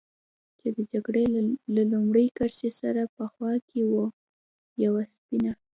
چې د جګړې له لومړۍ کرښې سره په خوا کې و، یوه سپینه.